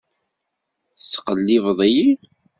Tetttqellibeḍ-iyi.